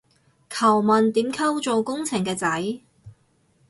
求問點溝做工程嘅仔